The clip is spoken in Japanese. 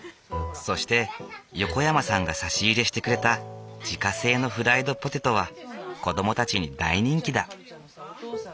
そして横山さんが差し入れしてくれた自家製のフライドポテトは子どもたちに大人気だ。